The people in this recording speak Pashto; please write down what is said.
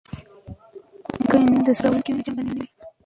که نجونې د سولې راوړونکې وي نو جنګ به نه وي.